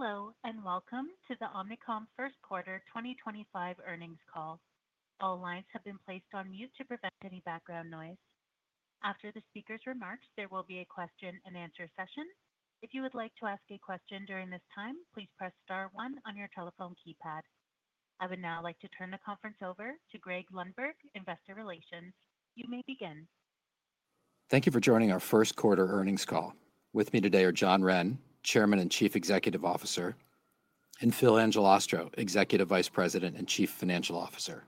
Hello, and welcome to the Omnicom First Quarter 2025 earnings call. All lines have been placed on mute to prevent any background noise. After the speaker's remarks, there will be a question-and-answer session. If you would like to ask a question during this time, please press star one on your telephone keypad. I would now like to turn the conference over to Greg Lundberg, Investor Relations. You may begin. Thank you for joining our First Quarter earnings call. With me today are John Wren, Chairman and Chief Executive Officer, and Phil Angelastro, Executive Vice President and Chief Financial Officer.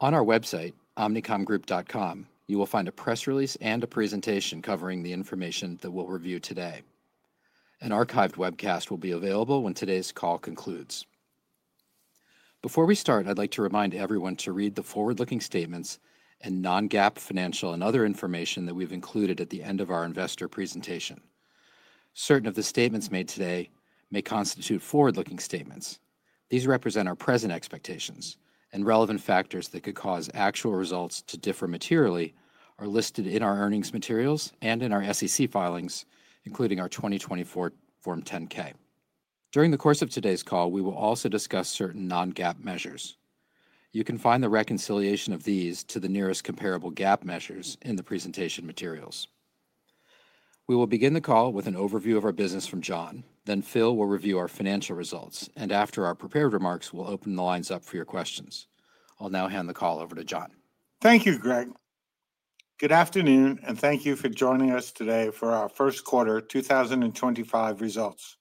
On our website, omnicomgroup.com, you will find a press release and a presentation covering the information that we'll review today. An archived webcast will be available when today's call concludes. Before we start, I'd like to remind everyone to read the forward-looking statements and non-GAAP financial and other information that we've included at the end of our investor presentation. Certain of the statements made today may constitute forward-looking statements. These represent our present expectations, and relevant factors that could cause actual results to differ materially are listed in our earnings materials and in our SEC filings, including our 2024 Form 10-K. During the course of today's call, we will also discuss certain non-GAAP measures. You can find the reconciliation of these to the nearest comparable GAAP measures in the presentation materials. We will begin the call with an overview of our business from John, then Phil will review our financial results, and after our prepared remarks, we'll open the lines up for your questions. I'll now hand the call over to John. Thank you, Greg. Good afternoon, and thank you for joining us today for our First Quarter 2025 results.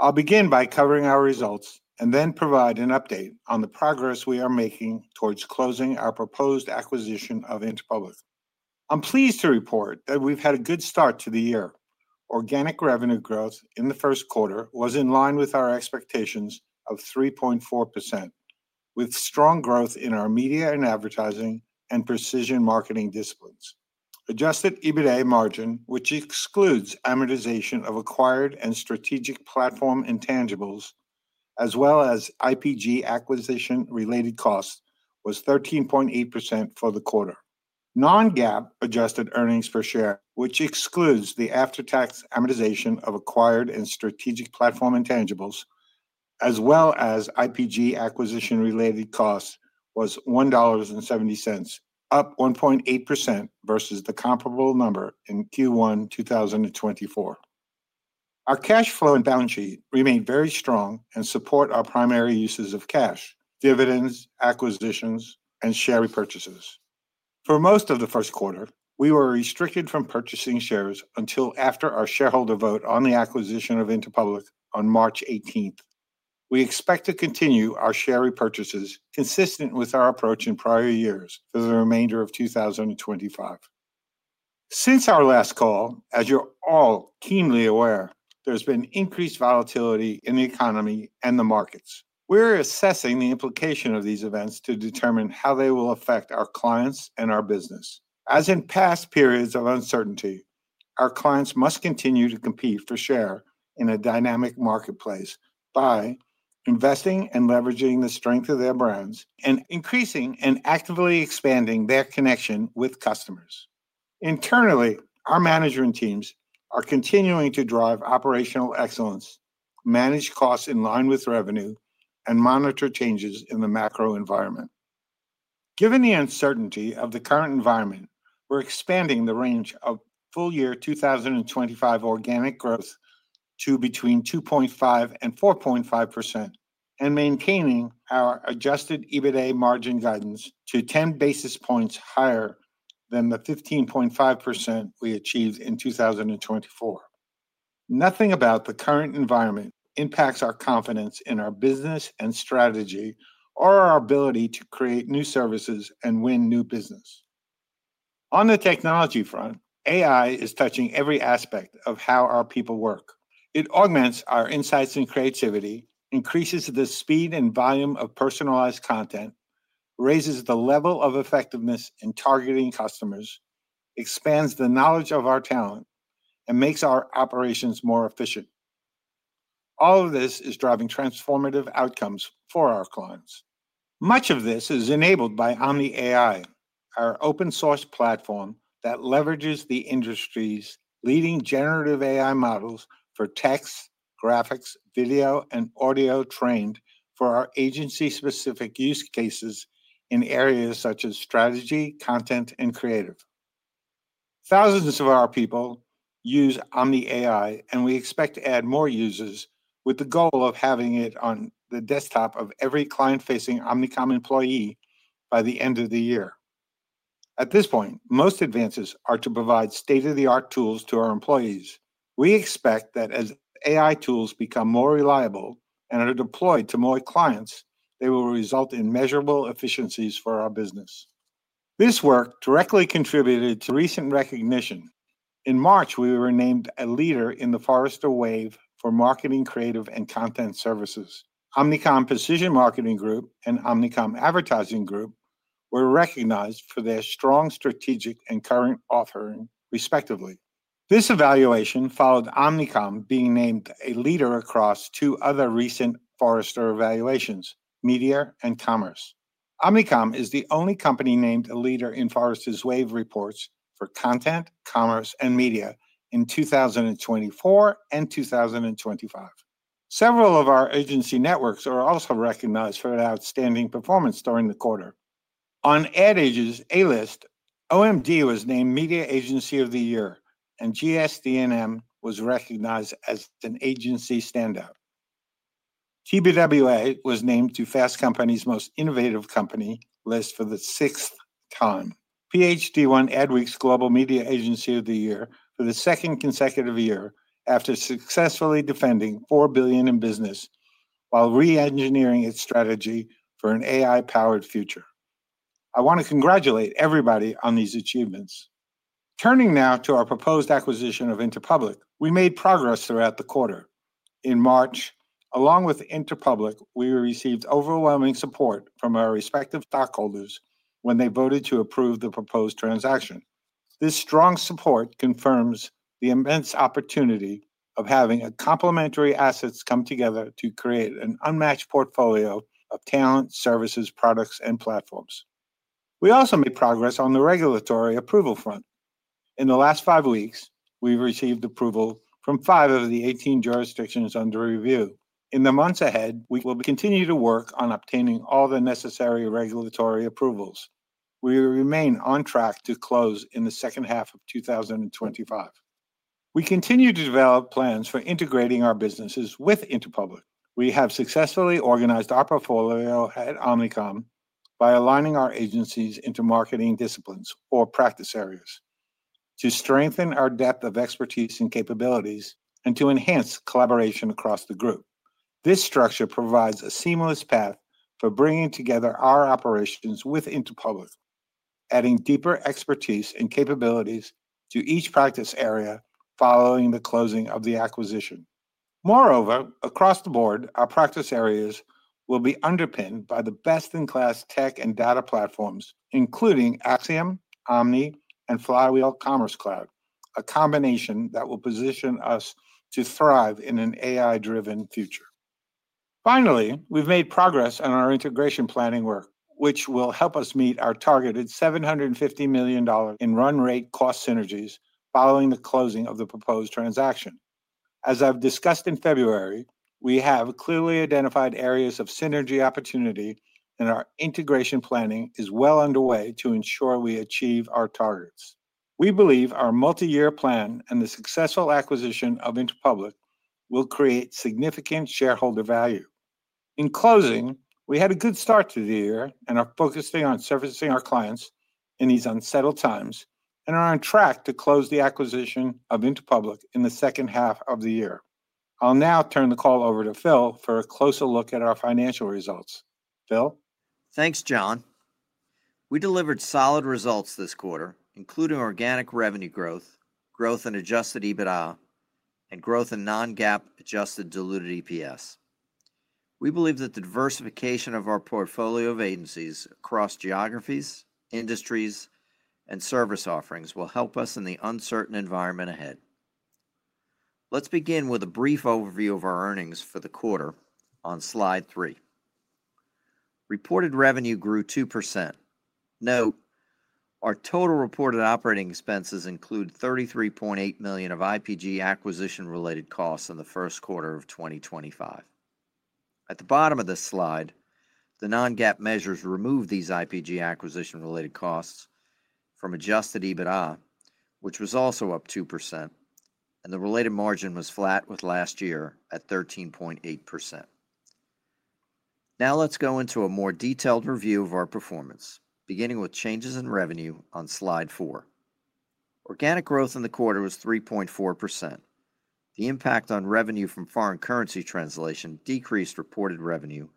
I'll begin by covering our results and then provide an update on the progress we are making towards closing our proposed acquisition of Interpublic. I'm pleased to report that we've had a good start to the year. Organic revenue growth in the first quarter was in line with our expectations of 3.4%, with strong growth in our media and advertising and precision marketing disciplines. Adjusted EBITDA margin, which excludes amortization of acquired and strategic platform intangibles, as well as Interpublic acquisition-related costs, was 13.8% for the quarter. Non-GAAP adjusted earnings per share, which excludes the after-tax amortization of acquired and strategic platform intangibles, as well as Interpublic acquisition-related costs, was $1.70, up 1.8% versus the comparable number in Q1 2024. Our cash flow and balance sheet remain very strong and support our primary uses of cash, dividends, acquisitions, and share repurchases. For most of the first quarter, we were restricted from purchasing shares until after our shareholder vote on the acquisition of Interpublic on March 18th. We expect to continue our share repurchases consistent with our approach in prior years for the remainder of 2025. Since our last call, as you're all keenly aware, there's been increased volatility in the economy and the markets. We're assessing the implication of these events to determine how they will affect our clients and our business. As in past periods of uncertainty, our clients must continue to compete for share in a dynamic marketplace by investing and leveraging the strength of their brands and increasing and actively expanding their connection with customers. Internally, our management teams are continuing to drive operational excellence, manage costs in line with revenue, and monitor changes in the macro environment. Given the uncertainty of the current environment, we're expanding the range of full year 2025 organic growth to between 2.5% and 4.5% and maintaining our adjusted EBITDA margin guidance to 10 basis points higher than the 15.5% we achieved in 2024. Nothing about the current environment impacts our confidence in our business and strategy or our ability to create new services and win new business. On the technology front, AI is touching every aspect of how our people work. It augments our insights and creativity, increases the speed and volume of personalized content, raises the level of effectiveness in targeting customers, expands the knowledge of our talent, and makes our operations more efficient. All of this is driving transformative outcomes for our clients. Much of this is enabled by Omni AI, our open-source platform that leverages the industry's leading generative AI models for text, graphics, video, and audio trained for our agency-specific use cases in areas such as strategy, content, and creative. Thousands of our people use Omni AI, and we expect to add more users with the goal of having it on the desktop of every client-facing Omnicom employee by the end of the year. At this point, most advances are to provide state-of-the-art tools to our employees. We expect that as AI tools become more reliable and are deployed to more clients, they will result in measurable efficiencies for our business. This work directly contributed to recent recognition. In March, we were named a leader in the Forrester Wave for marketing, creative, and content services. Omnicom Precision Marketing Group and Omnicom Advertising Group were recognized for their strong strategic and current offering, respectively. This evaluation followed Omnicom being named a leader across two other recent Forrester evaluations, Media and Commerce. Omnicom is the only company named a leader in Forrester's wave reports for content, commerce, and media in 2024 and 2025. Several of our agency networks are also recognized for outstanding performance during the quarter. On AdAge's A-list, OMD was named Media Agency of the Year, and GSD&M was recognized as an agency standout. TBWA was named to Fast Company's Most Innovative Company list for the sixth time. PHD won Adweek's Global Media Agency of the Year for the second consecutive year after successfully defending $4 billion in business while re-engineering its strategy for an AI-powered future. I want to congratulate everybody on these achievements. Turning now to our proposed acquisition of Interpublic, we made progress throughout the quarter. In March, along with Interpublic, we received overwhelming support from our respective stockholders when they voted to approve the proposed transaction. This strong support confirms the immense opportunity of having complementary assets come together to create an unmatched portfolio of talent, services, products, and platforms. We also made progress on the regulatory approval front. In the last five weeks, we've received approval from five of the 18 jurisdictions under review. In the months ahead, we will continue to work on obtaining all the necessary regulatory approvals. We remain on track to close in the second half of 2025. We continue to develop plans for integrating our businesses with Interpublic. We have successfully organized our portfolio at Omnicom by aligning our agencies into marketing disciplines, or practice areas, to strengthen our depth of expertise and capabilities, and to enhance collaboration across the group. This structure provides a seamless path for bringing together our operations with Interpublic, adding deeper expertise and capabilities to each practice area following the closing of the acquisition. Moreover, across the board, our practice areas will be underpinned by the best-in-class tech and data platforms, including Acxiom, Omni, and Flywheel Commerce Cloud, a combination that will position us to thrive in an AI-driven future. Finally, we've made progress on our integration planning work, which will help us meet our targeted $750 million in run rate cost synergies following the closing of the proposed transaction. As I've discussed in February, we have clearly identified areas of synergy opportunity, and our integration planning is well underway to ensure we achieve our targets. We believe our multi-year plan and the successful acquisition of Interpublic will create significant shareholder value. In closing, we had a good start to the year and are focusing on servicing our clients in these unsettled times and are on track to close the acquisition of Interpublic in the second half of the year. I'll now turn the call over to Phil for a closer look at our financial results. Phil. Thanks, John. We delivered solid results this quarter, including organic revenue growth, growth in adjusted EBITDA, and growth in non-GAAP adjusted diluted EPS. We believe that the diversification of our portfolio of agencies across geographies, industries, and service offerings will help us in the uncertain environment ahead. Let's begin with a brief overview of our earnings for the quarter on slide three. Reported revenue grew 2%. Note, our total reported operating expenses include $33.8 million of Interpublic Group acquisition-related costs in the first quarter of 2025. At the bottom of this slide, the non-GAAP measures removed these Interpublic Group acquisition-related costs from adjusted EBITDA, which was also up 2%, and the related margin was flat with last year at 13.8%. Now let's go into a more detailed review of our performance, beginning with changes in revenue on slide four. Organic growth in the quarter was 3.4%. The impact on revenue from foreign currency translation decreased reported revenue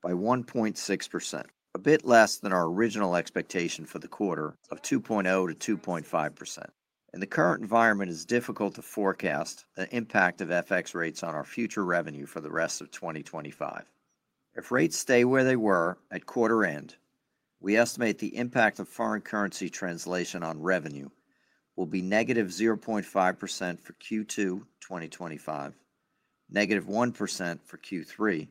by 1.6%, a bit less than our original expectation for the quarter of 2.0%-2.5%. In the current environment, it is difficult to forecast the impact of FX rates on our future revenue for the rest of 2025. If rates stay where they were at quarter end, we estimate the impact of foreign currency translation on revenue will be negative 0.5% for Q2 2025, negative 1% for Q3,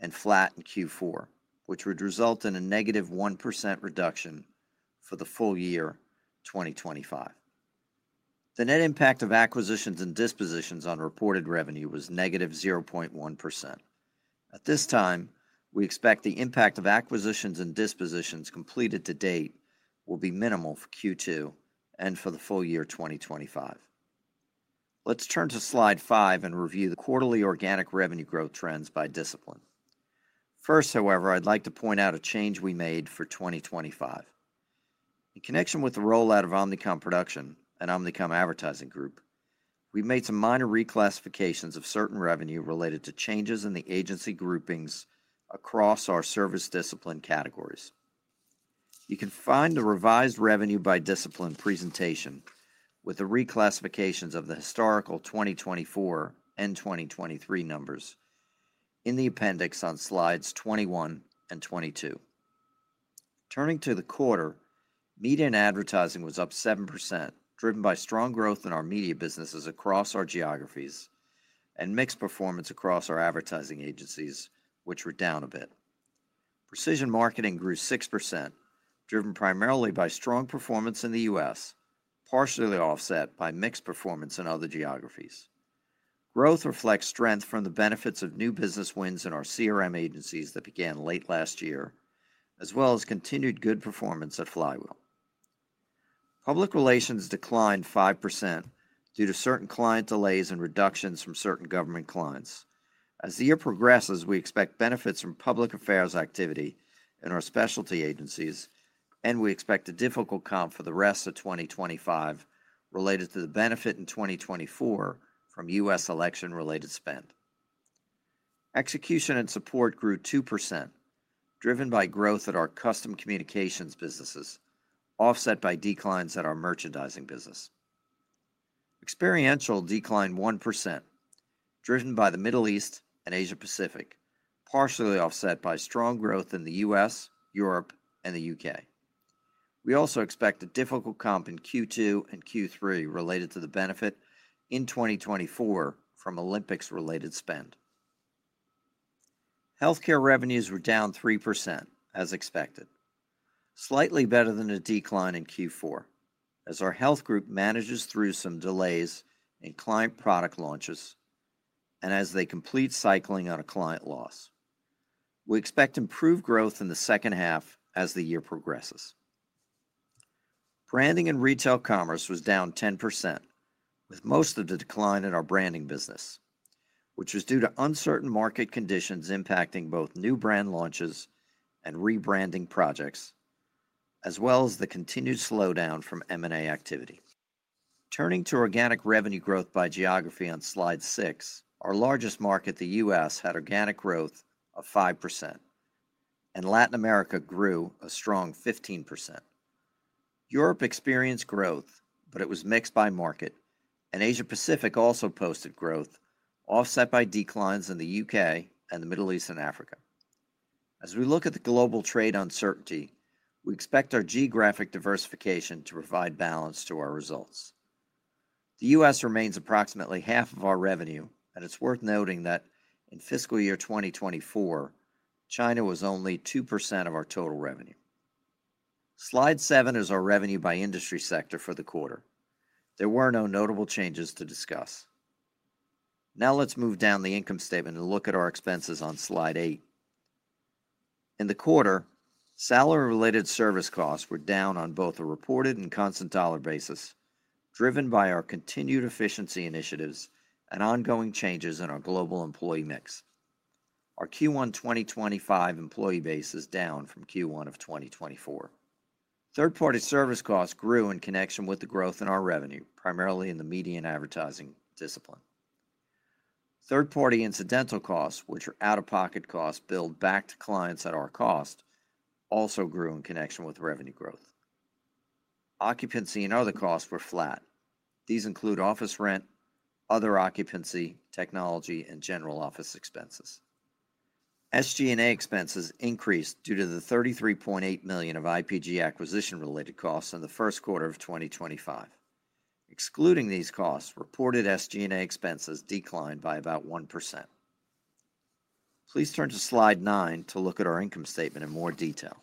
and flat in Q4, which would result in a negative 1% reduction for the full year 2025. The net impact of acquisitions and dispositions on reported revenue was negative 0.1%. At this time, we expect the impact of acquisitions and dispositions completed to date will be minimal for Q2 and for the full year 2025. Let's turn to slide five and review the quarterly organic revenue growth trends by discipline. First, however, I'd like to point out a change we made for 2025. In connection with the rollout of Omnicom Production and Omnicom Advertising Group, we made some minor reclassifications of certain revenue related to changes in the agency groupings across our service discipline categories. You can find the revised revenue by discipline presentation with the reclassifications of the historical 2024 and 2023 numbers in the appendix on slides 21 and 22. Turning to the quarter, media and advertising was up 7%, driven by strong growth in our media businesses across our geographies and mixed performance across our advertising agencies, which were down a bit. Precision marketing grew 6%, driven primarily by strong performance in the U.S., partially offset by mixed performance in other geographies. Growth reflects strength from the benefits of new business wins in our CRM agencies that began late last year, as well as continued good performance at Flywheel. Public relations declined 5% due to certain client delays and reductions from certain government clients. As the year progresses, we expect benefits from public affairs activity in our specialty agencies, and we expect a difficult comp for the rest of 2025 related to the benefit in 2024 from U.S. election-related spend. Execution and support grew 2%, driven by growth at our custom communications businesses, offset by declines in our merchandising business. Experiential declined 1%, driven by the Middle East and Asia-Pacific, partially offset by strong growth in the U.S., Europe, and the U.K. We also expect a difficult comp in Q2 and Q3 related to the benefit in 2024 from Olympics-related spend. Healthcare revenues were down 3%, as expected, slightly better than a decline in Q4, as our health group manages through some delays in client product launches and as they complete cycling on a client loss. We expect improved growth in the second half as the year progresses. Branding and retail commerce was down 10%, with most of the decline in our branding business, which was due to uncertain market conditions impacting both new brand launches and rebranding projects, as well as the continued slowdown from M&A activity. Turning to organic revenue growth by geography on slide six, our largest market, the U.S., had organic growth of 5%, and Latin America grew a strong 15%. Europe experienced growth, but it was mixed by market, and Asia-Pacific also posted growth, offset by declines in the U.K. and the Middle East and Africa. As we look at the global trade uncertainty, we expect our geographic diversification to provide balance to our results. The U.S. remains approximately half of our revenue, and it is worth noting that in fiscal year 2024, China was only 2% of our total revenue. Slide seven is our revenue by industry sector for the quarter. There were no notable changes to discuss. Now let's move down the income statement and look at our expenses on slide eight. In the quarter, salary-related service costs were down on both a reported and constant dollar basis, driven by our continued efficiency initiatives and ongoing changes in our global employee mix. Our Q1 2025 employee base is down from Q1 of 2024. Third-party service costs grew in connection with the growth in our revenue, primarily in the media and advertising discipline. Third-party incidental costs, which are out-of-pocket costs billed back to clients at our cost, also grew in connection with revenue growth. Occupancy and other costs were flat. These include office rent, other occupancy, technology, and general office expenses. SG&A expenses increased due to the $33.8 million of Interpublic Group acquisition-related costs in the first quarter of 2025. Excluding these costs, reported SG&A expenses declined by about 1%. Please turn to slide nine to look at our income statement in more detail.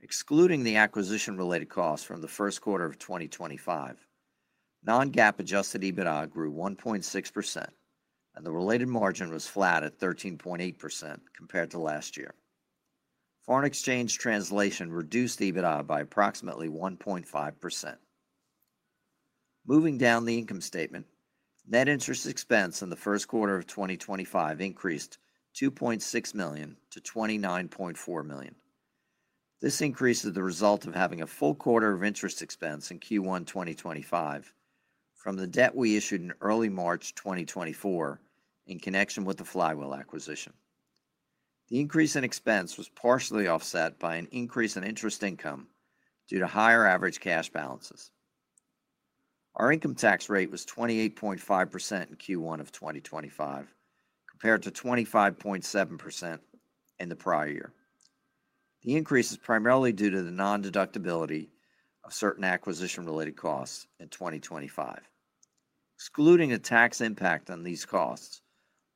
Excluding the acquisition-related costs from the first quarter of 2025, non-GAAP adjusted EBITDA grew 1.6%, and the related margin was flat at 13.8% compared to last year. Foreign exchange translation reduced EBITDA by approximately 1.5%. Moving down the income statement, net interest expense in the first quarter of 2025 increased $2.6 million to $29.4 million. This increase is the result of having a full quarter of interest expense in Q1 2025 from the debt we issued in early March 2024 in connection with the Flywheel acquisition. The increase in expense was partially offset by an increase in interest income due to higher average cash balances. Our income tax rate was 28.5% in Q1 of 2025, compared to 25.7% in the prior year. The increase is primarily due to the non-deductibility of certain acquisition-related costs in 2025. Excluding a tax impact on these costs,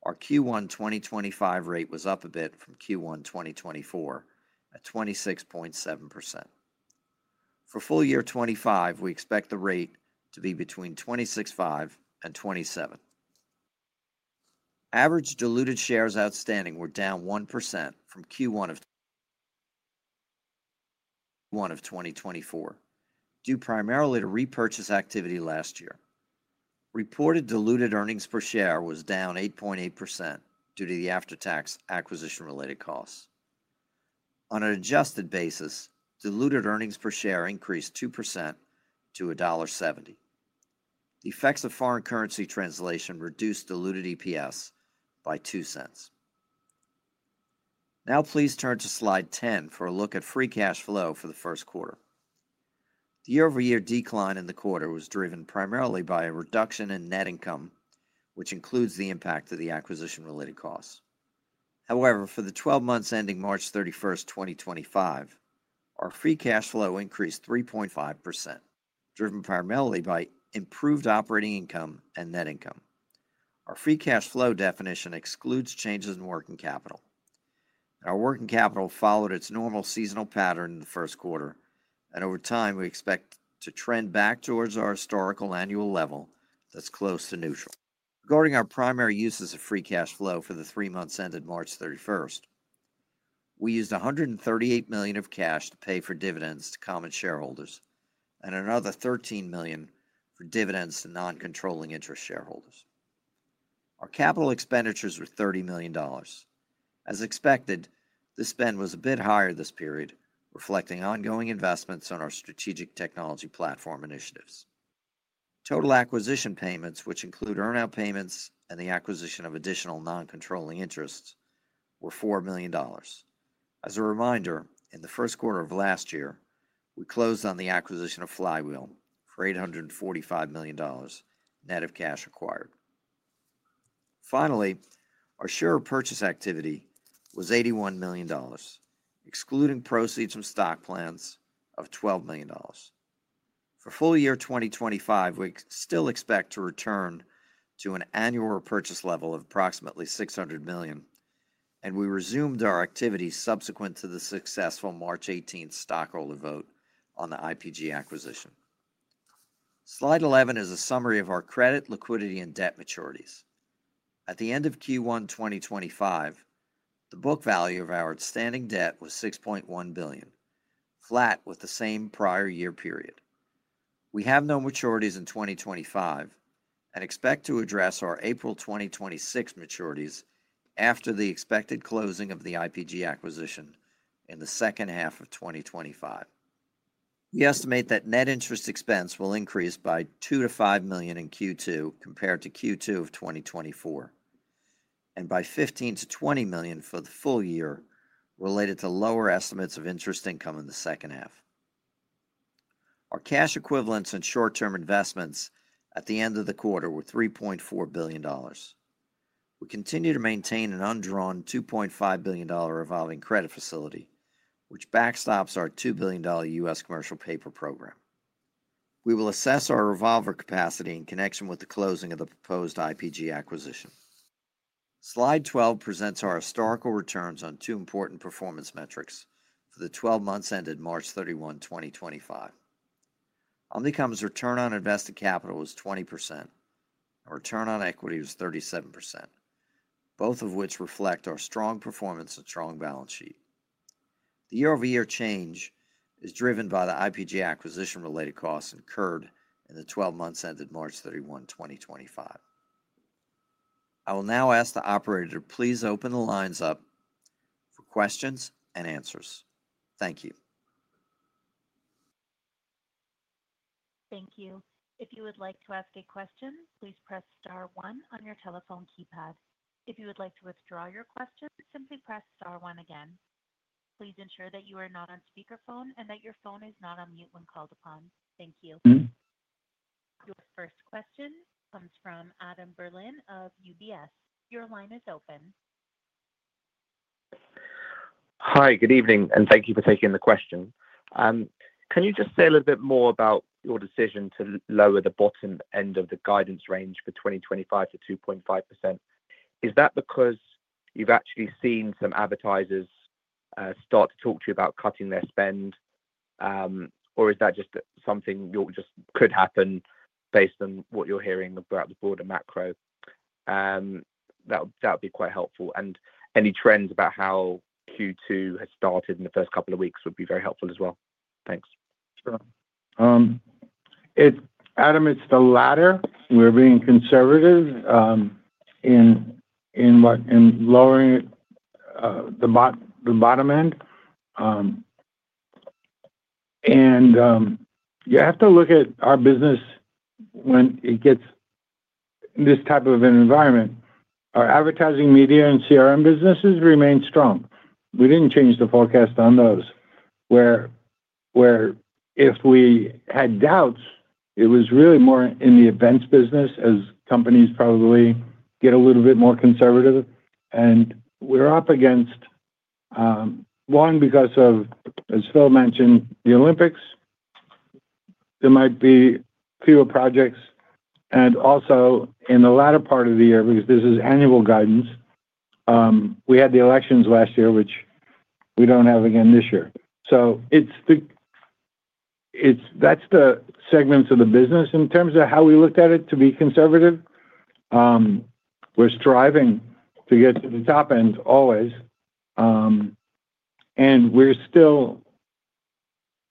our Q1 2025 rate was up a bit from Q1 2024 at 26.7%. For full year 2025, we expect the rate to be between 26.5% and 27%. Average diluted shares outstanding were down 1% from Q1 of 2024 due primarily to repurchase activity last year. Reported diluted earnings per share was down 8.8% due to the after-tax acquisition-related costs. On an adjusted basis, diluted earnings per share increased 2% to $1.70. The effects of foreign currency translation reduced diluted EPS by $0.02. Now please turn to slide 10 for a look at free cash flow for the first quarter. The year-over-year decline in the quarter was driven primarily by a reduction in net income, which includes the impact of the acquisition-related costs. However, for the 12 months ending March 31, 2025, our free cash flow increased 3.5%, driven primarily by improved operating income and net income. Our free cash flow definition excludes changes in working capital. Our working capital followed its normal seasonal pattern in the first quarter, and over time, we expect to trend back towards our historical annual level that's close to neutral. Regarding our primary uses of free cash flow for the three months ended March 31, we used $138 million of cash to pay for dividends to common shareholders and another $13 million for dividends to non-controlling interest shareholders. Our capital expenditures were $30 million. As expected, this spend was a bit higher this period, reflecting ongoing investments on our strategic technology platform initiatives. Total acquisition payments, which include earnout payments and the acquisition of additional non-controlling interests, were $4 million. As a reminder, in the first quarter of last year, we closed on the acquisition of Flywheel for $845 million net of cash acquired. Finally, our share purchase activity was $81 million, excluding proceeds from stock plans of $12 million. For full year 2025, we still expect to return to an annual repurchase level of approximately $600 million, and we resumed our activity subsequent to the successful March 18th stockholder vote on the Interpublic Group acquisition. Slide 11 is a summary of our credit, liquidity, and debt maturities. At the end of Q1 2025, the book value of our outstanding debt was $6.1 billion, flat with the same prior year period. We have no maturities in 2025 and expect to address our April 2026 maturities after the expected closing of the Interpublic Group acquisition in the second half of 2025. We estimate that net interest expense will increase by $2-$5 million in Q2 compared to Q2 of 2024, and by $15-$20 million for the full year related to lower estimates of interest income in the second half. Our cash equivalents and short-term investments at the end of the quarter were $3.4 billion. We continue to maintain an undrawn $2.5 billion revolving credit facility, which backstops our $2 billion US commercial paper program. We will assess our revolver capacity in connection with the closing of the proposed Interpublic Group acquisition. Slide 12 presents our historical returns on two important performance metrics for the 12 months ended March 31, 2025. Omnicom's return on invested capital was 20%. Our return on equity was 37%, both of which reflect our strong performance and strong balance sheet. The year-over-year change is driven by the Interpublic Group acquisition-related costs incurred in the 12 months ended March 31, 2025. I will now ask the operator to please open the lines up for questions and answers. Thank you. Thank you. If you would like to ask a question, please press star one on your telephone keypad. If you would like to withdraw your question, simply press star one again. Please ensure that you are not on speakerphone and that your phone is not on mute when called upon. Thank you. Your first question comes from Adam Wren, of UBS. Your line is open. Hi, good evening, and thank you for taking the question. Can you just say a little bit more about your decision to lower the bottom end of the guidance range for 2025 to 2.5%? Is that because you've actually seen some advertisers start to talk to you about cutting their spend, or is that just something that could happen based on what you're hearing about the broader macro? That would be quite helpful. Any trends about how Q2 has started in the first couple of weeks would be very helpful as well. Thanks. Sure. Adam, it's the latter. We're being conservative in lowering the bottom end. You have to look at our business when it gets this type of an environment. Our advertising, media, and CRM businesses remain strong. We didn't change the forecast on those, where if we had doubts, it was really more in the events business, as companies probably get a little bit more conservative. We're up against, one, because of, as Phil mentioned, the Olympics. There might be fewer projects. Also, in the latter part of the year, because this is annual guidance, we had the elections last year, which we don't have again this year. That's the segments of the business. In terms of how we looked at it, to be conservative, we're striving to get to the top end always.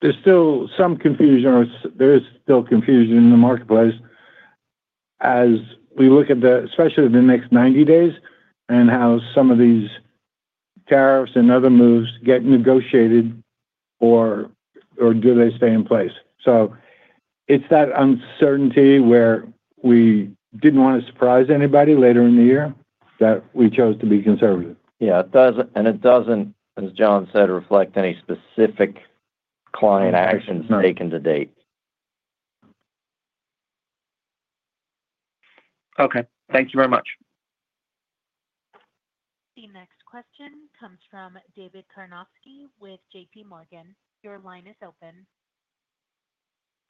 There is still some confusion in the marketplace, as we look at especially the next 90 days, and how some of these tariffs and other moves get negotiated or do they stay in place. It is that uncertainty where we did not want to surprise anybody later in the year that we chose to be conservative. Yeah, and it does not, as John said, reflect any specific client actions taken to date. Okay. Thank you very much. The next question comes from David Karnovsky with JP Morgan. Your line is open.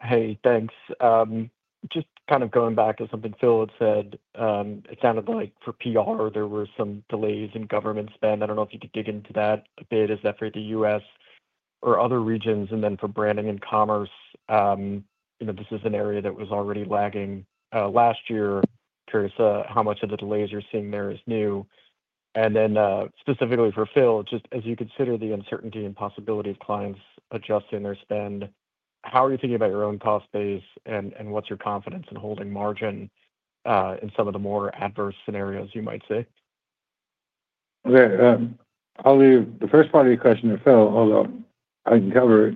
Hey, thanks. Just kind of going back to something Phil had said, it sounded like for PR, there were some delays in government spend. I do not know if you could dig into that a bit. Is that for the U.S. or other regions? For branding and commerce, this is an area that was already lagging last year. Curious how much of the delays you're seeing there is new. Specifically for Phil, just as you consider the uncertainty and possibility of clients adjusting their spend, how are you thinking about your own cost base and what's your confidence in holding margin in some of the more adverse scenarios, you might say? The first part of your question to Phil, although I can cover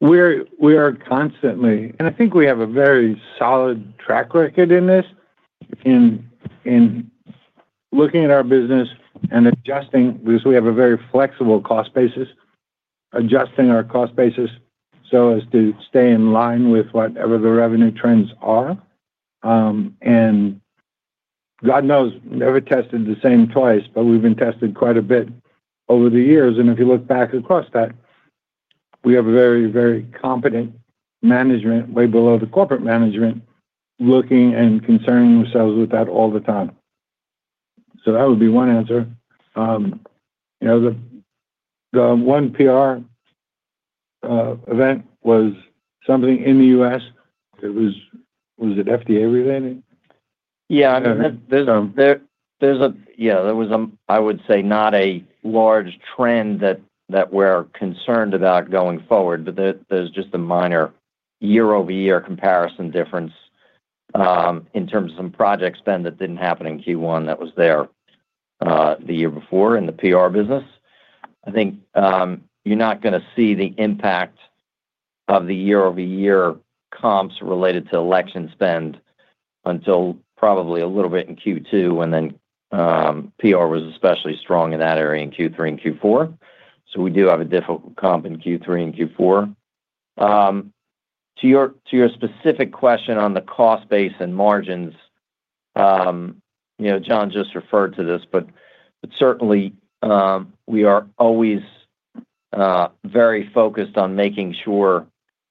it, we are constantly, and I think we have a very solid track record in this. In looking at our business and adjusting, because we have a very flexible cost basis, adjusting our cost basis so as to stay in line with whatever the revenue trends are. God knows, we've never tested the same twice, but we've been tested quite a bit over the years. If you look back across that, we have a very, very competent management way below the corporate management looking and concerning themselves with that all the time. That would be one answer. The one PR event was something in the U.S. Was it FDA-related? Yeah. There was a, I would say, not a large trend that we're concerned about going forward, but there's just a minor year-over-year comparison difference in terms of some project spend that did not happen in Q1 that was there the year before in the PR business. I think you're not going to see the impact of the year-over-year comps related to election spend until probably a little bit in Q2, and then PR was especially strong in that area in Q3 and Q4. We do have a difficult comp in Q3 and Q4. To your specific question on the cost base and margins, John just referred to this, but certainly we are always very focused on making sure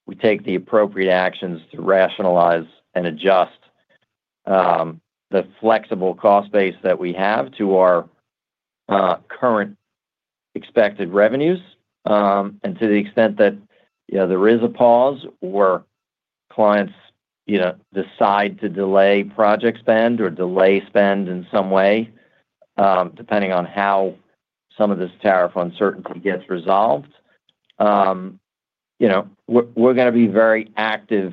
we take the appropriate actions to rationalize and adjust the flexible cost base that we have to our current expected revenues. To the extent that there is a pause or clients decide to delay project spend or delay spend in some way, depending on how some of this tariff uncertainty gets resolved, we're going to be very active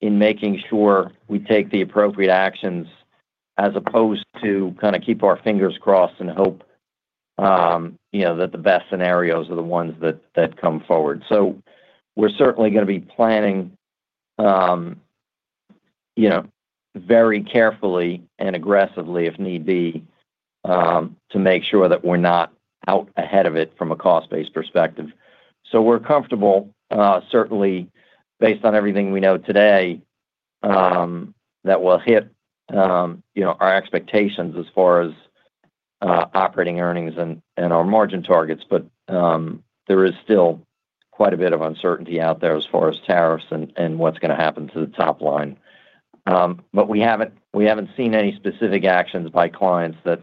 in making sure we take the appropriate actions as opposed to kind of keep our fingers crossed and hope that the best scenarios are the ones that come forward. We are certainly going to be planning very carefully and aggressively, if need be, to make sure that we're not out ahead of it from a cost-based perspective. We're comfortable, certainly based on everything we know today, that we'll hit our expectations as far as operating earnings and our margin targets. There is still quite a bit of uncertainty out there as far as tariffs and what's going to happen to the top line. We haven't seen any specific actions by clients that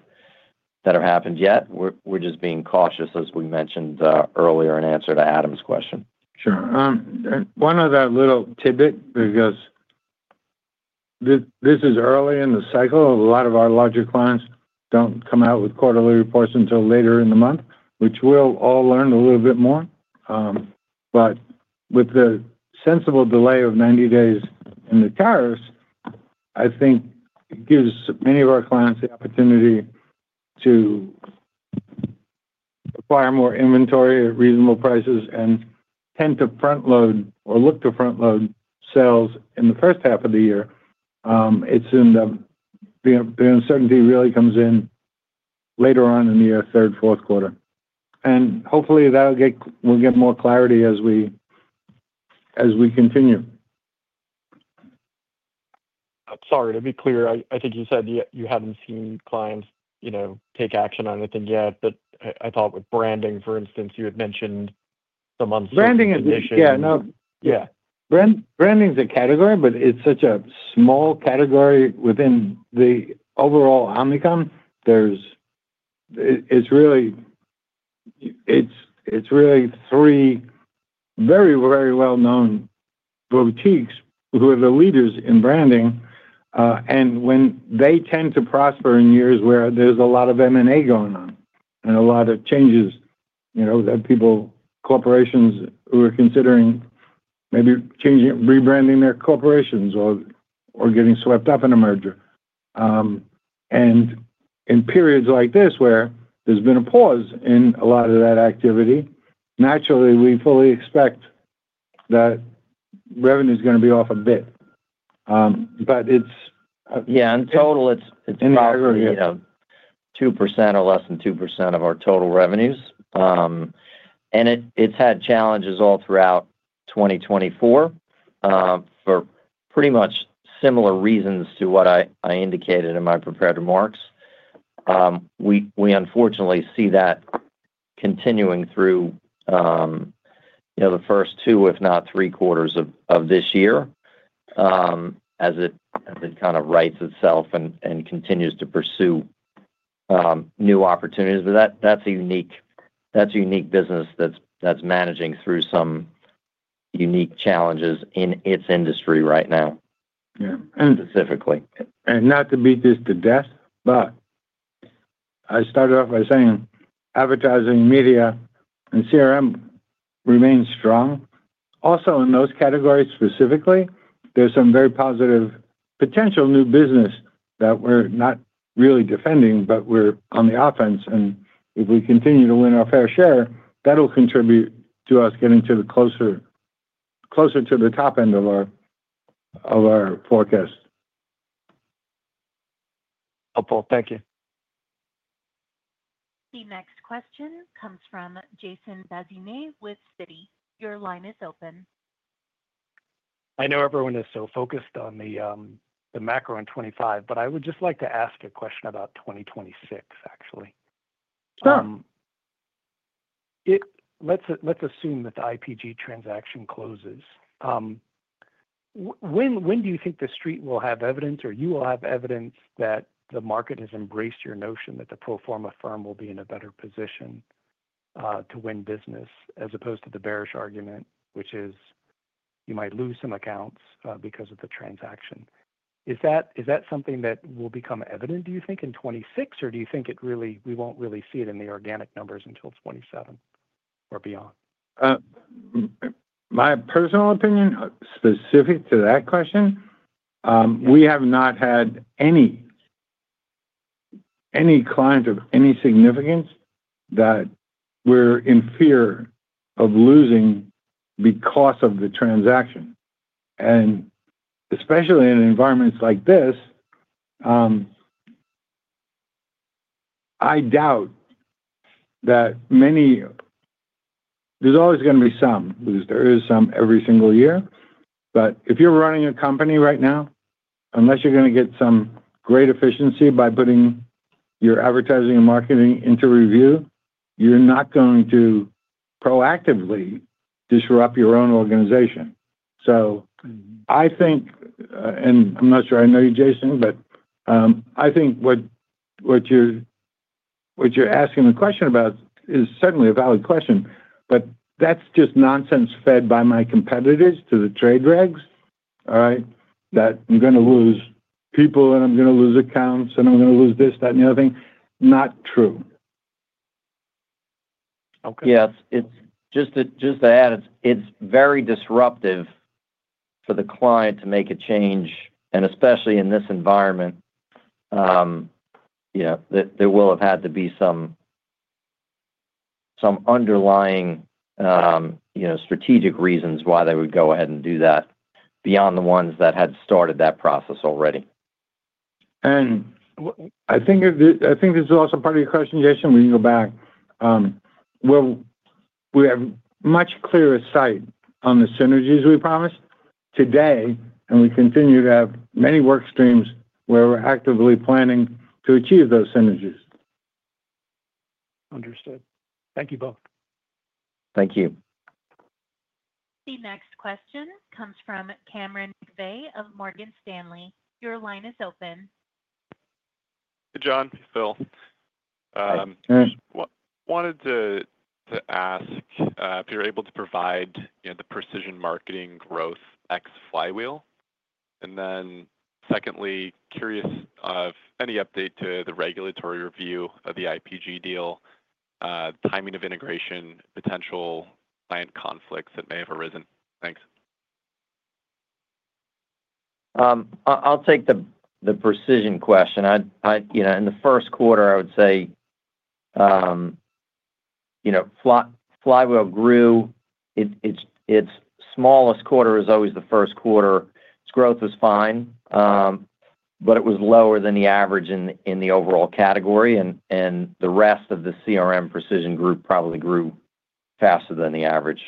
have happened yet. We're just being cautious, as we mentioned earlier in answer to Adam's question. Sure. One other little tidbit, because this is early in the cycle. A lot of our larger clients don't come out with quarterly reports until later in the month, which we'll all learn a little bit more. With the sensible delay of 90 days in the tariffs, I think it gives many of our clients the opportunity to acquire more inventory at reasonable prices and tend to front-load or look to front-load sales in the first half of the year. The uncertainty really comes in later on in the year, third, fourth quarter. Hopefully, that will get more clarity as we continue. Sorry, to be clear, I think you said you have not seen clients take action on anything yet, but I thought with branding, for instance, you had mentioned some uncertainty. Branding is a category, but it is such a small category within the overall Omnicom. It is really three very, very well-known boutiques who are the leaders in branding. When they tend to prosper in years where there's a lot of M&A going on and a lot of changes, people, corporations who are considering maybe rebranding their corporations or getting swept up in a merger. In periods like this where there's been a pause in a lot of that activity, naturally, we fully expect that revenue is going to be off a bit. It's in aggregate. In total, it's probably 2% or less than 2% of our total revenues. It's had challenges all throughout 2024 for pretty much similar reasons to what I indicated in my prepared remarks. We, unfortunately, see that continuing through the first two, if not three quarters of this year, as it kind of writes itself and continues to pursue new opportunities. That's a unique business that's managing through some unique challenges in its industry right now, specifically. Not to beat this to death, but I started off by saying advertising, media, and CRM remain strong. Also, in those categories specifically, there's some very positive potential new business that we're not really defending, but we're on the offense. If we continue to win our fair share, that'll contribute to us getting closer to the top end of our forecast. Helpful. Thank you. The next question comes from Jason Bazinet with Citi. Your line is open. I know everyone is so focused on the macro in 2025, but I would just like to ask a question about 2026, actually. Sure. Let's assume that the Interpublic Group transaction closes. When do you think the street will have evidence, or you will have evidence, that the market has embraced your notion that the pro forma firm will be in a better position to win business, as opposed to the bearish argument, which is you might lose some accounts because of the transaction? Is that something that will become evident, do you think, in 2026, or do you think we won't really see it in the organic numbers until 2027 or beyond? My personal opinion specific to that question, we have not had any client of any significance that we're in fear of losing because of the transaction. Especially in environments like this, I doubt that many—there's always going to be some, because there is some every single year. If you're running a company right now, unless you're going to get some great efficiency by putting your advertising and marketing into review, you're not going to proactively disrupt your own organization. I think—I am not sure I know you, Jason—but I think what you're asking the question about is certainly a valid question. That is just nonsense fed by my competitors to the trade regs, all right, that I am going to lose people, and I am going to lose accounts, and I am going to lose this, that, and the other thing. Not true. Okay. Yeah. Just to add, it is very disruptive for the client to make a change, and especially in this environment, there will have had to be some underlying strategic reasons why they would go ahead and do that beyond the ones that had started that process already. I think this is also part of your question, Jason. We can go back. We have much clearer sight on the synergies we promised today, and we continue to have many work streams where we're actively planning to achieve those synergies. Understood. Thank you both. Thank you. The next question comes from Cameron McVeigh of Morgan Stanley. Your line is open. Hey, John. Hey, Phil. Wanted to ask if you're able to provide the precision marketing growth X Flywheel. And then secondly, curious of any update to the regulatory review of the IPG deal, timing of integration, potential client conflicts that may have arisen. Thanks. I'll take the precision question. In the first quarter, I would say Flywheel grew. Its smallest quarter is always the first quarter. Its growth was fine, but it was lower than the average in the overall category. The rest of the CRM precision group probably grew faster than the average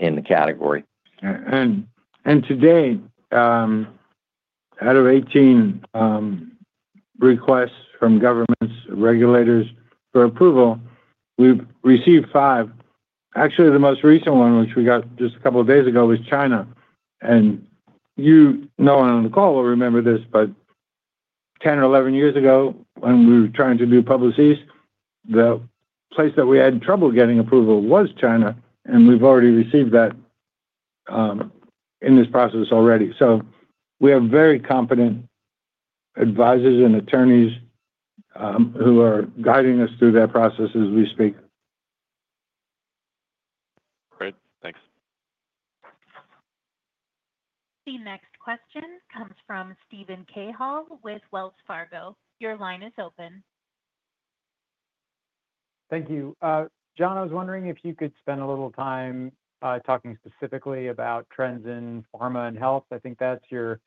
in the category. Today, out of 18 requests from governments, regulators for approval, we've received five. Actually, the most recent one, which we got just a couple of days ago, was China. You, no one on the call will remember this, but 10 or 11 years ago, when we were trying to do Publicis, the place that we had trouble getting approval was China. We've already received that in this process already. We have very competent advisors and attorneys who are guiding us through that process as we speak. Great. Thanks. The next question comes from Stephen Cahill with Wells Fargo. Your line is open. Thank you. John, I was wondering if you could spend a little time talking specifically about trends in pharma and health. I think that's your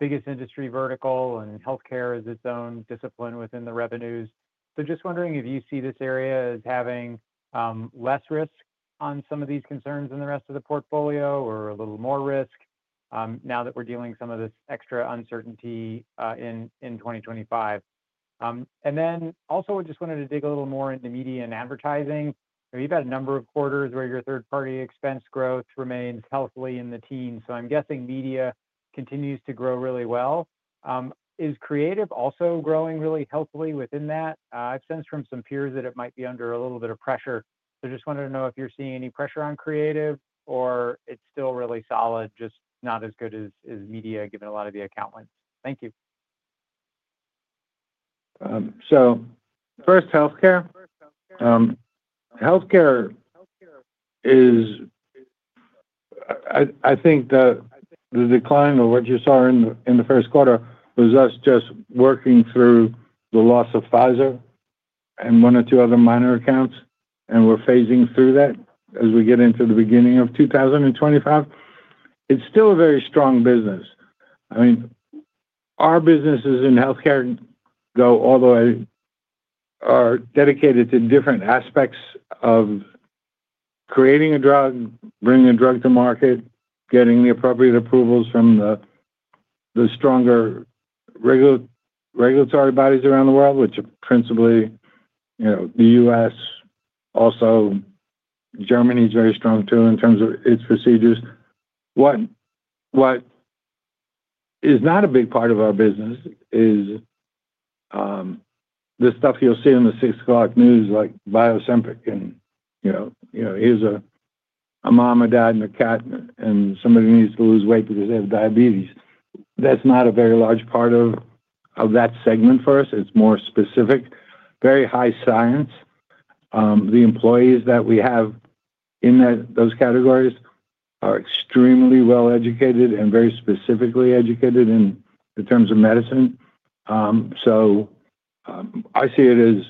biggest industry vertical, and healthcare is its own discipline within the revenues. Just wondering if you see this area as having less risk on some of these concerns in the rest of the portfolio or a little more risk now that we're dealing with some of this extra uncertainty in 2025. I just wanted to dig a little more into media and advertising. You've had a number of quarters where your third-party expense growth remains healthily in the teens. I'm guessing media continues to grow really well. Is Creative also growing really healthily within that? I've sensed from some peers that it might be under a little bit of pressure. Just wanted to know if you're seeing any pressure on Creative, or it's still really solid, just not as good as media given a lot of the account wins? Thank you. First, healthcare. Healthcare is, I think, the decline of what you saw in the first quarter was us just working through the loss of Pfizer and one or two other minor accounts. We're phasing through that as we get into the beginning of 2025. It's still a very strong business. I mean, our businesses in healthcare go all the way, are dedicated to different aspects of creating a drug, bringing a drug to market, getting the appropriate approvals from the stronger regulatory bodies around the world, which are principally the U.S. Also, Germany is very strong too in terms of its procedures. What is not a big part of our business is the stuff you'll see on the 6 o'clock news, like Biosimpic, and here's a mom and dad and a cat, and somebody needs to lose weight because they have diabetes. That's not a very large part of that segment for us. It's more specific, very high science. The employees that we have in those categories are extremely well-educated and very specifically educated in terms of medicine. I see it as,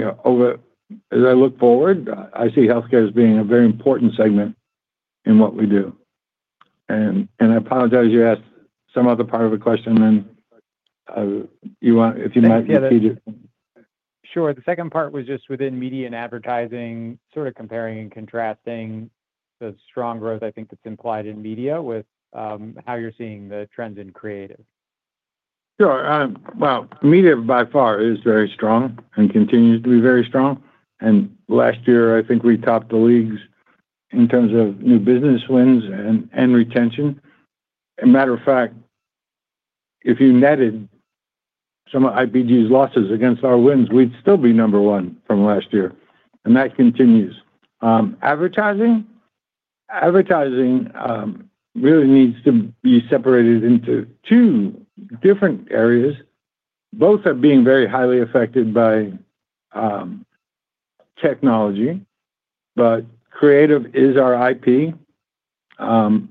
as I look forward, I see healthcare as being a very important segment in what we do. I apologize you asked some other part of the question, and if you might repeat it. Sure. The second part was just within media and advertising, sort of comparing and contrasting the strong growth, I think, that's implied in media with how you're seeing the trends in Creative. Sure. Media by far is very strong and continues to be very strong. Last year, I think we topped the leagues in terms of new business wins and retention. As a matter of fact, if you netted some of IPG's losses against our wins, we'd still be number one from last year. That continues. Advertising really needs to be separated into two different areas. Both are being very highly affected by technology, but Creative is our IP.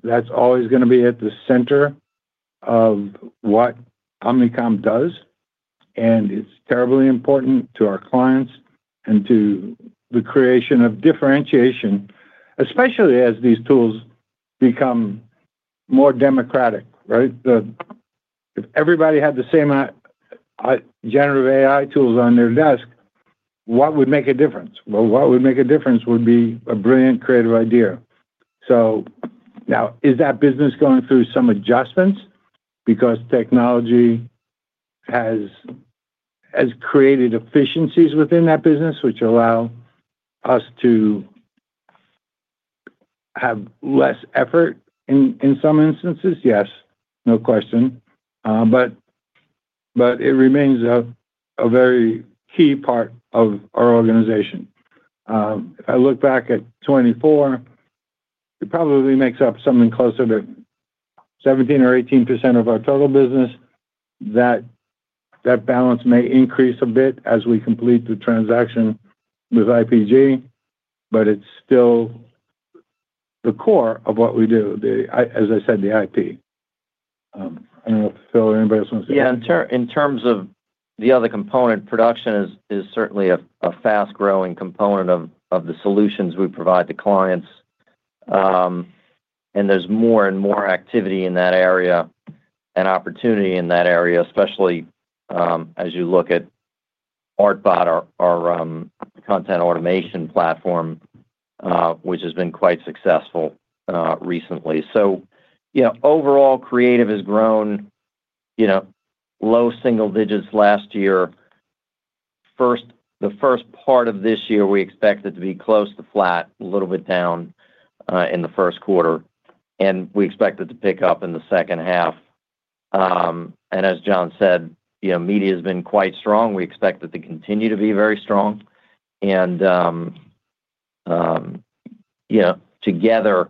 That's always going to be at the center of what Omnicom does. It's terribly important to our clients and to the creation of differentiation, especially as these tools become more democratic, right? If everybody had the same generative AI tools on their desk, what would make a difference? What would make a difference would be a brilliant creative idea. Now, is that business going through some adjustments because technology has created efficiencies within that business, which allow us to have less effort in some instances? Yes, no question. It remains a very key part of our organization. If I look back at 2024, it probably makes up something closer to 17% or 18% of our total business. That balance may increase a bit as we complete the transaction with IPG, but it's still the core of what we do, as I said, the IP. I don't know if Phil or anybody else wants to. Yeah. In terms of the other component, production is certainly a fast-growing component of the solutions we provide to clients. There's more and more activity in that area and opportunity in that area, especially as you look at ArtBot or Content Automation Platform, which has been quite successful recently. Overall, Creative has grown low single digits last year. The first part of this year, we expect it to be close to flat, a little bit down in the first quarter. We expect it to pick up in the second half. As John said, media has been quite strong. We expect it to continue to be very strong. Together,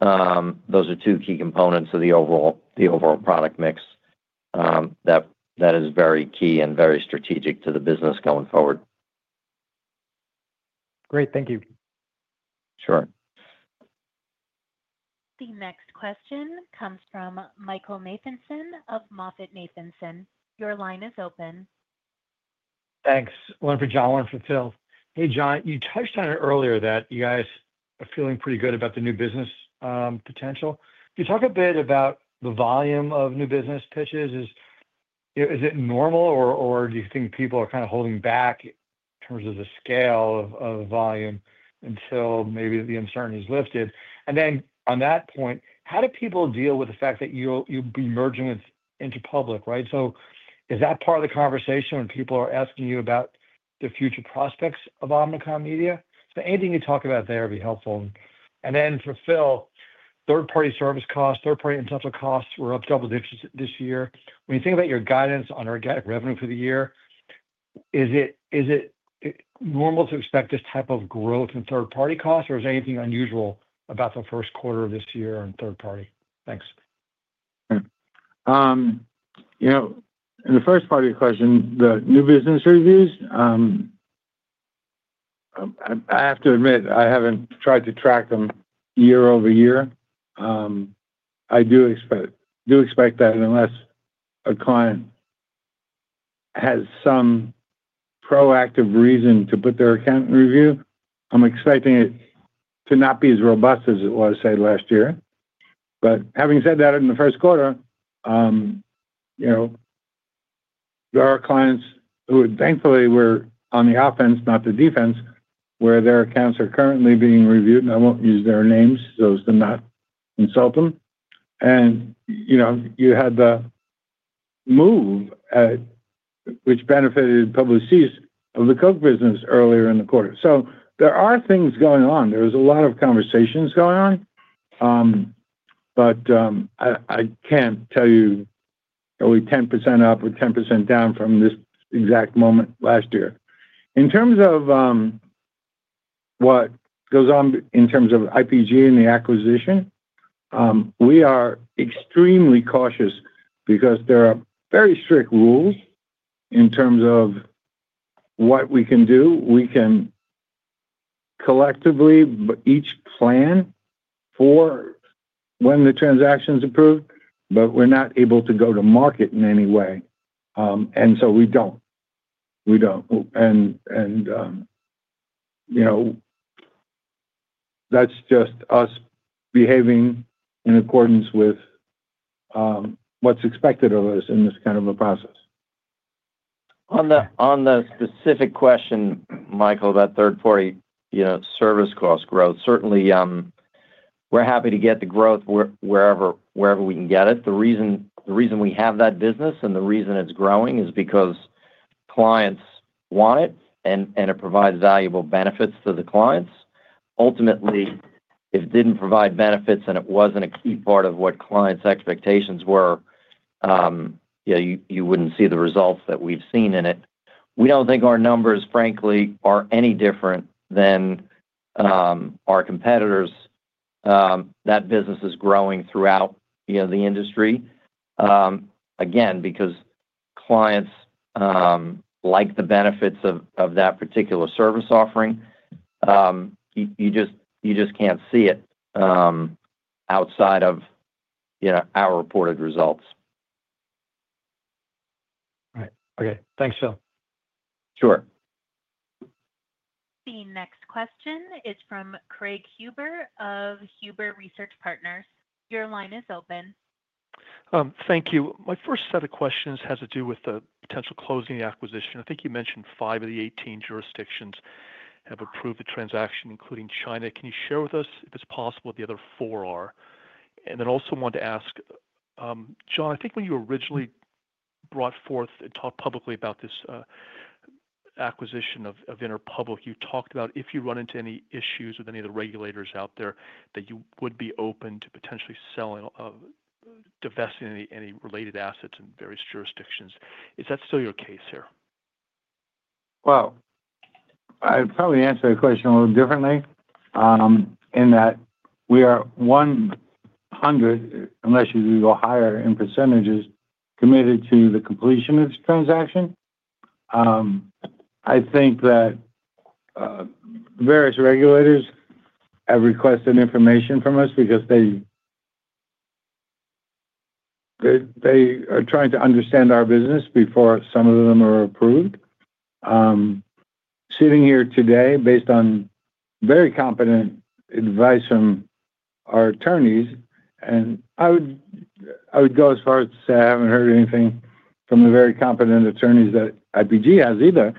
those are two key components of the overall product mix that is very key and very strategic to the business going forward. Great. Thank you. Sure. The next question comes from Michael Matheson of Moffett Matheson. Your line is open. Thanks. One for John, one for Phil. Hey, John, you touched on it earlier that you guys are feeling pretty good about the new business potential. Can you talk a bit about the volume of new business pitches? Is it normal, or do you think people are kind of holding back in terms of the scale of volume until maybe the uncertainty is lifted? On that point, how do people deal with the fact that you'll be merging into Publicis, right? Is that part of the conversation when people are asking you about the future prospects of Omnicom Media? Anything you talk about there would be helpful. For Phil, third-party service costs, third-party intellectual costs were up double digits this year. When you think about your guidance on organic revenue for the year, is it normal to expect this type of growth in third-party costs, or is there anything unusual about the first quarter of this year in third-party? Thanks. In the first part of your question, the new business reviews, I have to admit, I haven't tried to track them year over year. I do expect that unless a client has some proactive reason to put their account in review, I'm expecting it to not be as robust as it was, say, last year. Having said that, in the first quarter, there are clients who thankfully were on the offense, not the defense, where their accounts are currently being reviewed. I won't use their names so as to not insult them. You had the move, which benefited Publicis of the Coca-Cola business earlier in the quarter. There are things going on. There was a lot of conversations going on, but I can't tell you are we 10% up or 10% down from this exact moment last year. In terms of what goes on in terms of Interpublic Group and the acquisition, we are extremely cautious because there are very strict rules in terms of what we can do. We can collectively each plan for when the transaction's approved, but we're not able to go to market in any way. We don't. We don't. That's just us behaving in accordance with what's expected of us in this kind of a process. On the specific question, Michael, about third-party service cost growth, certainly we're happy to get the growth wherever we can get it. The reason we have that business and the reason it's growing is because clients want it, and it provides valuable benefits to the clients. Ultimately, if it didn't provide benefits and it wasn't a key part of what clients' expectations were, you wouldn't see the results that we've seen in it. We don't think our numbers, frankly, are any different than our competitors. That business is growing throughout the industry, again, because clients like the benefits of that particular service offering. You just can't see it outside of our reported results. Right. Okay. Thanks, Phil. Sure. The next question is from Craig Huber of Huber Research Partners. Your line is open. Thank you. My first set of questions has to do with the potential closing acquisition. I think you mentioned 5 of the 18 jurisdictions have approved the transaction, including China. Can you share with us, if it's possible, what the other 4 are? I also wanted to ask, John, I think when you originally brought forth and talked publicly about this acquisition of Interpublic, you talked about if you run into any issues with any of the regulators out there that you would be open to potentially divesting any related assets in various jurisdictions. Is that still your case here? I would probably answer the question a little differently in that we are 100%, unless you go higher in percentages, committed to the completion of this transaction. I think that various regulators have requested information from us because they are trying to understand our business before some of them are approved. Sitting here today, based on very competent advice from our attorneys, and I would go as far as to say I have not heard anything from the very competent attorneys that Interpublic Group has either,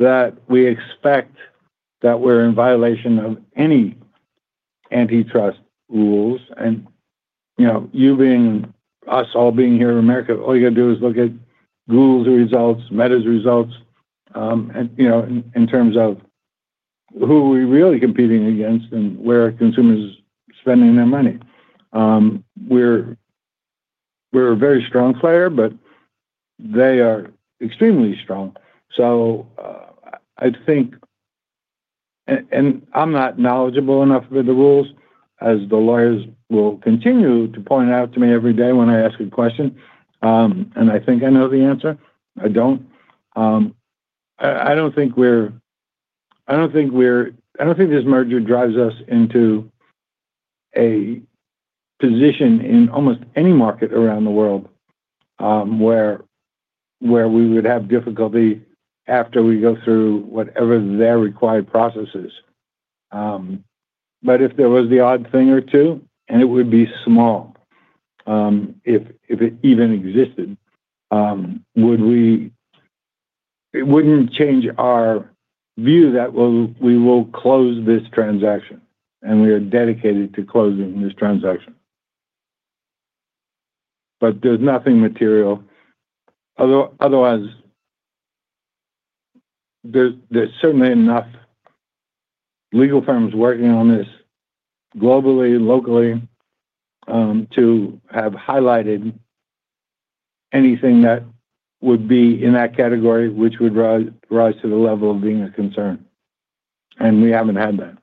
that we expect that we are in violation of any antitrust rules. You being us all being here in the U.S., all you have to do is look at Google's results, Meta's results, and in terms of who we are really competing against and where consumers are spending their money. We are a very strong player, but they are extremely strong. I think, and I'm not knowledgeable enough of the rules, as the lawyers will continue to point out to me every day when I ask a question, and I think I know the answer. I don't. I don't think this merger drives us into a position in almost any market around the world where we would have difficulty after we go through whatever their required process is. If there was the odd thing or two, and it would be small, if it even existed, it wouldn't change our view that we will close this transaction, and we are dedicated to closing this transaction. There's nothing material. Otherwise, there's certainly enough legal firms working on this globally, locally, to have highlighted anything that would be in that category, which would rise to the level of being a concern. We haven't had that.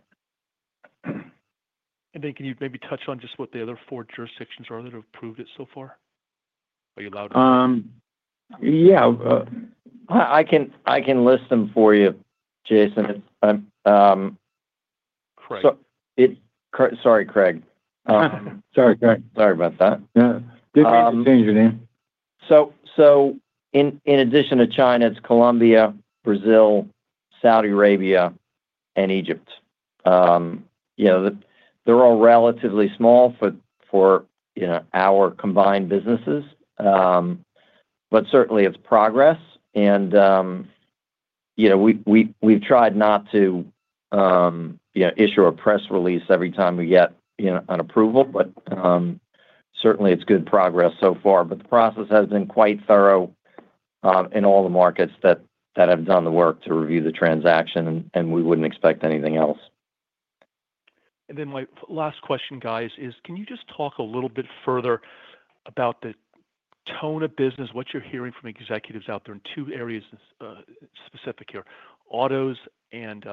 Can you maybe touch on just what the other four jurisdictions are that have approved it so far? Are you allowed to? Yeah. I can list them for you, Jason. Sorry, Craig. Sorry, Craig. Sorry about that. Didn't mean to change your name. In addition to China, it's Colombia, Brazil, Saudi Arabia, and Egypt. They're all relatively small for our combined businesses. Certainly, it's progress. We've tried not to issue a press release every time we get an approval, but certainly, it's good progress so far. The process has been quite thorough in all the markets that have done the work to review the transaction, and we wouldn't expect anything else. My last question, guys, is can you just talk a little bit further about the tone of business, what you're hearing from executives out there in two areas specific here: autos and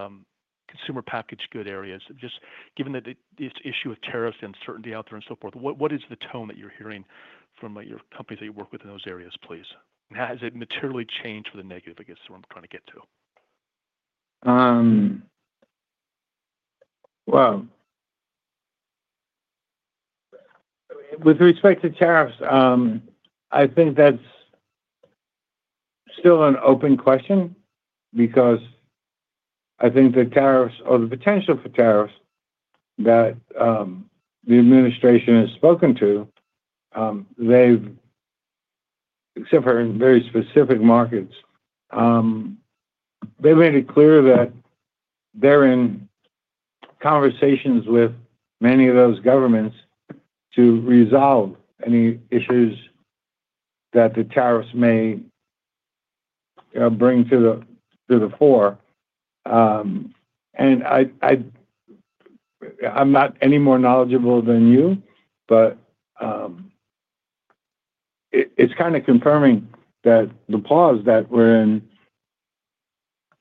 consumer package good areas. Just given that this issue of tariffs and uncertainty out there and so forth, what is the tone that you're hearing from your companies that you work with in those areas, please? Has it materially changed for the negative, I guess, is what I'm trying to get to. With respect to tariffs, I think that's still an open question because I think the tariffs or the potential for tariffs that the Administration has spoken to, except for in very specific markets, they've made it clear that they're in conversations with many of those governments to resolve any issues that the tariffs may bring to the fore. I'm not any more knowledgeable than you, but it's kind of confirming that the pause that we're in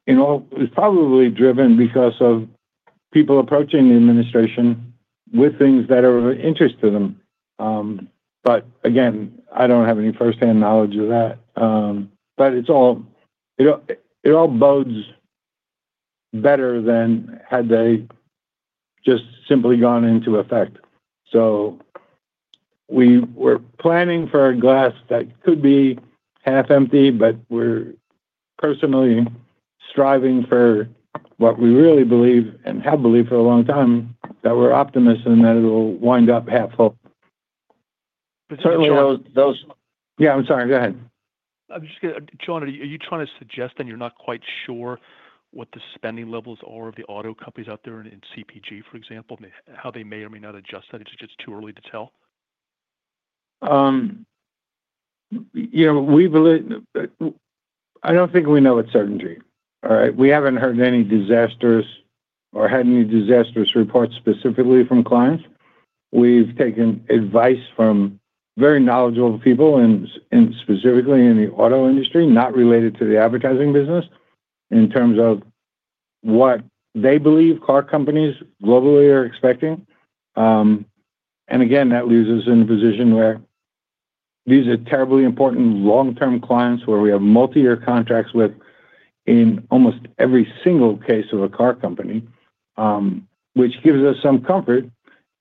is probably driven because of people approaching the administration with things that are of interest to them. I don't have any firsthand knowledge of that. It all bodes better than had they just simply gone into effect. We were planning for a glass that could be half empty, but we're personally striving for what we really believe and have believed for a long time, that we're optimists and that it'll wind up half full. Certainly, those—yeah. I'm sorry. Go ahead. I'm just going to—John, are you trying to suggest then you're not quite sure what the spending levels are of the auto companies out there in CPG, for example, how they may or may not adjust that? It's just too early to tell? I do not think we know with certainty, all right? We have not heard any disasters or had any disastrous reports specifically from clients. We have taken advice from very knowledgeable people, specifically in the auto industry, not related to the advertising business, in terms of what they believe car companies globally are expecting. That leaves us in a position where these are terribly important long-term clients where we have multi-year contracts with in almost every single case of a car company, which gives us some comfort.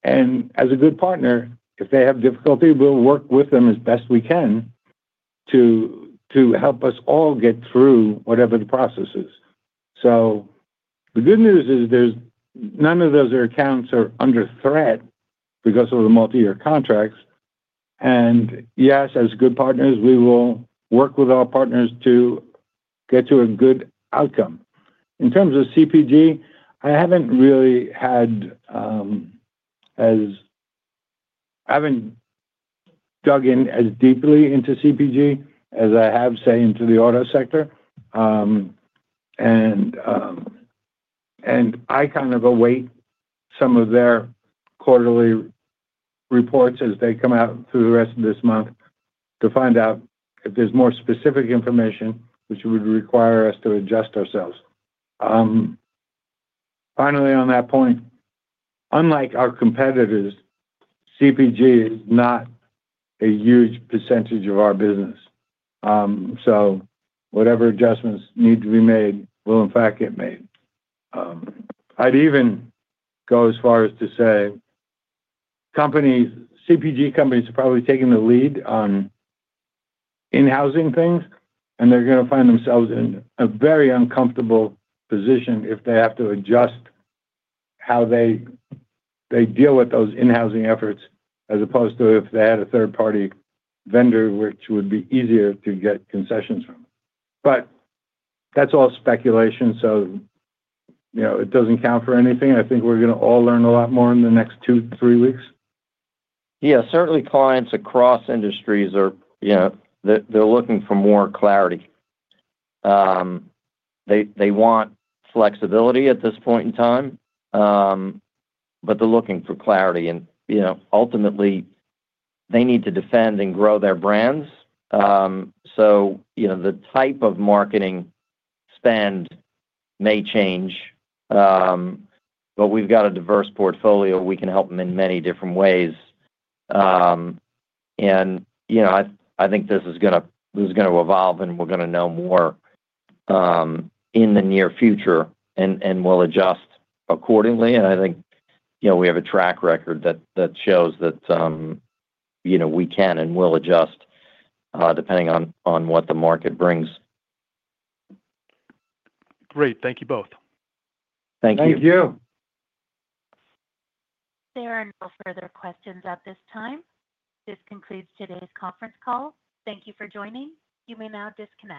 As a good partner, if they have difficulty, we will work with them as best we can to help us all get through whatever the process is. The good news is none of those accounts are under threat because of the multi-year contracts. Yes, as good partners, we will work with our partners to get to a good outcome. In terms of CPG, I have not really had as I have not dug in as deeply into CPG as I have, say, into the auto sector. I kind of await some of their quarterly reports as they come out through the rest of this month to find out if there is more specific information which would require us to adjust ourselves. Finally, on that point, unlike our competitors, CPG is not a huge percentage of our business. Whatever adjustments need to be made will, in fact, get made. I would even go as far as to say CPG companies are probably taking the lead on in-housing things, and they are going to find themselves in a very uncomfortable position if they have to adjust how they deal with those in-housing efforts as opposed to if they had a third-party vendor, which would be easier to get concessions from. That is all speculation, so it does not count for anything. I think we are going to all learn a lot more in the next two, three weeks. Yeah. Certainly, clients across industries, they are looking for more clarity. They want flexibility at this point in time, but they are looking for clarity. Ultimately, they need to defend and grow their brands. The type of marketing spend may change, but we have a diverse portfolio. We can help them in many different ways. I think this is going to evolve, and we are going to know more in the near future, and we will adjust accordingly. I think we have a track record that shows that we can and will adjust depending on what the market brings. Great. Thank you both. Thank you. Thank you. There are no further questions at this time. This concludes today's conference call. Thank you for joining. You may now disconnect.